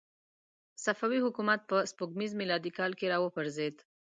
صفوي حکومت په سپوږمیز میلادي کال کې را وپرځېد.